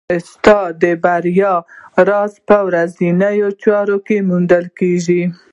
ستا د بریا راز په ورځنیو چارو کې موندل کېږي.